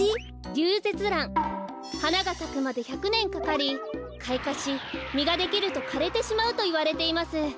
リュウゼツラン。はながさくまで１００ねんかかりかいかしみができるとかれてしまうといわれています。